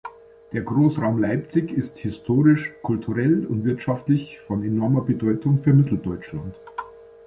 Der Großraum Leipzig ist historisch, kulturell und wirtschaftlich von enormer Bedeutung für Mitteldeutschland.